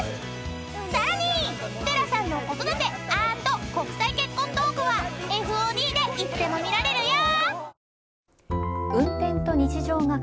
［さらに寺さんの子育て＆国際結婚トークはＦＯＤでいつでも見られるよ］